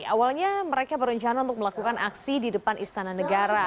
awalnya mereka berencana untuk melakukan aksi di depan istana negara